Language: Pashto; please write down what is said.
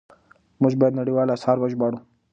موږ بايد نړيوال آثار وژباړو.